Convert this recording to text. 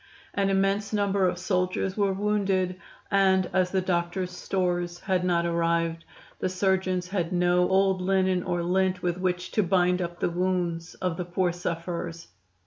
An immense number of soldiers were wounded, and, as the doctors' stores had not arrived, the surgeons had no old linen or lint with which to bind up the wounds of the poor sufferers.